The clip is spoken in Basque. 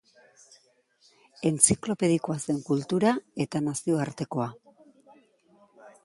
Entziklopedikoa zen kultura, eta nazioartekoa.